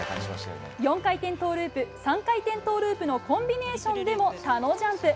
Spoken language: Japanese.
４回転トウループ３回転トウループのコンビネーションでもタノジャンプ。